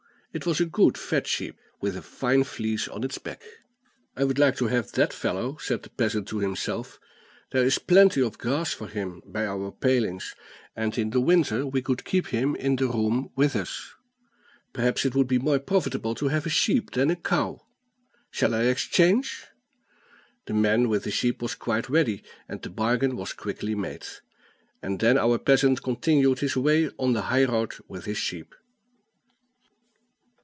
It was a good fat sheep, with a fine fleece on its back. "I should like to have that fellow," said the peasant to himself. "There is plenty of grass for him by our palings, and in the winter we could keep him in the room with us. Perhaps it would be more profitable to have a sheep than a cow. Shall I exchange?" The man with the sheep was quite ready, and the bargain was quickly made. And then our peasant continued his way on the high road with his sheep.